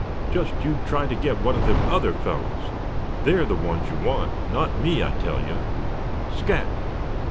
Just you try to get one of them other fellows! They're the ones you want, not me, I tell you. Scat!